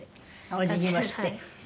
お辞儀もして。